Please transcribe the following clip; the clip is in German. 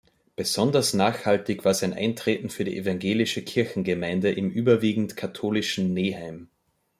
Besonders nachhaltig war sein Eintreten für die evangelische Kirchengemeinde im überwiegend katholischen Neheim.